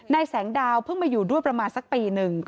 แสงดาวเพิ่งมาอยู่ด้วยประมาณสักปีหนึ่ง